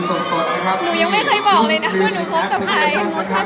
หนูยังไม่เคยบอกเลยนะว่าหนูคบกับใคร